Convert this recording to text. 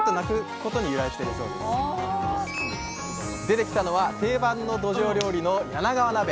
出てきたのは定番のどじょう料理の「柳川鍋」。